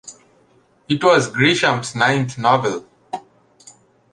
It was Grisham's ninth novel.